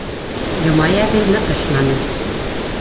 Йомай әбей ныҡышманы.